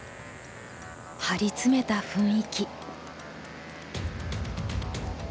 張り詰めた雰囲気。